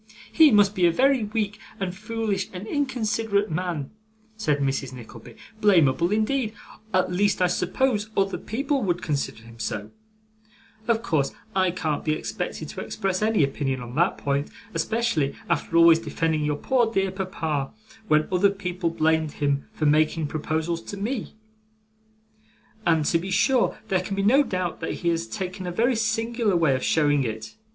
'He must be a very weak, and foolish, and inconsiderate man,' said Mrs. Nickleby; 'blamable indeed at least I suppose other people would consider him so; of course I can't be expected to express any opinion on that point, especially after always defending your poor dear papa when other people blamed him for making proposals to me; and to be sure there can be no doubt that he has taken a very singular way of showing it.